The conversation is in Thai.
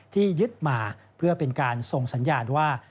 ที่ยึดมาเพื่อเป็นการส่งสัญญาณว่า